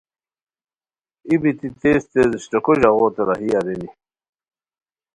ای بیتی تیز تیز اشٹوکو ژاغوت راہی ارینی